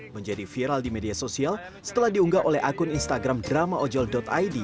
menjadi viral di media sosial setelah diunggah oleh akun instagram drama ojol id